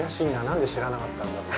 何で知らなかったんだろう。